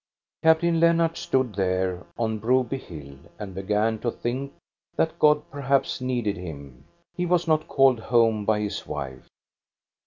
Captain Lennart stood there on Broby hill and began to think that God perhaps needed him. He was not called home by his wife.